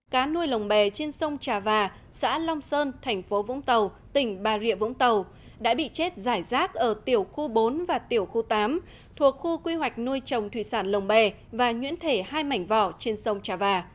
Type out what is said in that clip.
cá nuôi lồng bè trên sông trà và xã long sơn thành phố vũng tàu tỉnh bà rịa vũng tàu đã bị chết giải rác ở tiểu khu bốn và tiểu khu tám thuộc khu quy hoạch nuôi trồng thủy sản lồng bè và nhuyễn thể hai mảnh vỏ trên sông trà và